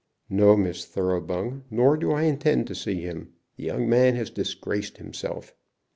"No, Miss Thoroughbung; nor do I intend to see him. The young man has disgraced himself."